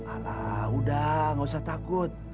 alah udah gak usah takut